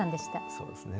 そうですね。